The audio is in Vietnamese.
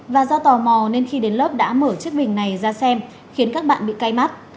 và do tò mò nên khi đến lớp đã mở chiếc bình này ra xem khiến các bạn bị cay mắt